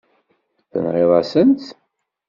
Tenɣiḍ-asen-tt.